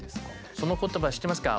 その言葉知ってますか？